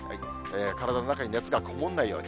体の中に熱がこもらないように。